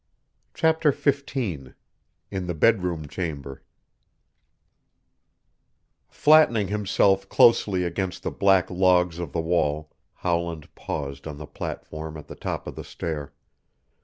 CHAPTER XV IN THE BEDROOM CHAMBER Flattening himself closely against the black logs of the wall Howland paused on the platform at the top of the stair.